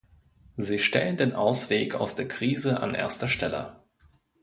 Sie stellen den Ausweg aus der Krise an erster Stelle.